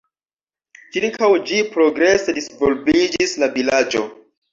Ĉirkaŭ ĝi progrese disvolviĝis la vilaĝo.